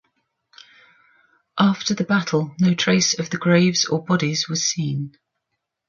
After the battle, no trace of the graves or bodies was seen.